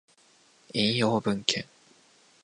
引用文献